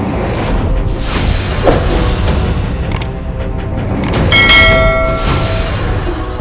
mas rasha tunggu